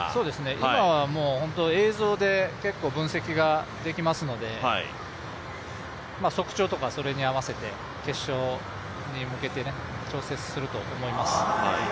今はもう映像で結構、分析ができますので足長とかはそれに合わせて決勝に向けて調節すると思います。